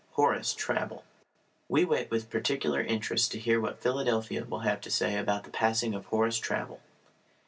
HORACE TRAUBEL We wait with particular interest to hear what Philadelphia will have to say about the passing of Horace Traubel.